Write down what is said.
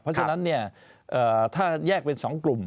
เพราะฉะนั้นถ้าแยกเป็น๒กลุ่ม